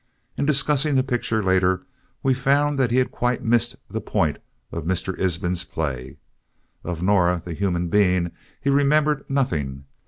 In discussing the picture later, we found that he had quite missed the point of Mr. Ibsen's play. Of Nora, the human being, he remembered nothing.